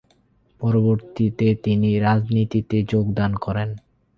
পরবর্তীতে, তিনি রাজনীতিতে যোগদান করেন।